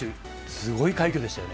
すごい快挙でしたね。